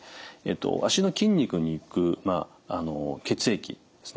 足の筋肉に行く血液ですね。